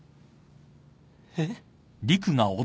えっ？